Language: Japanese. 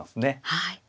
はい。